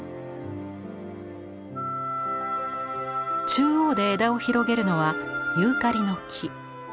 中央で枝を広げるのはユーカリの木。